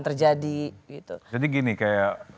terjadi gitu jadi gini kayak